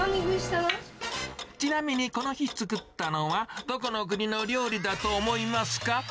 ちなみに、この日作ったのは、どこの国の料理だと思いますか？